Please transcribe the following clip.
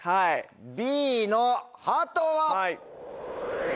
Ｂのハトは？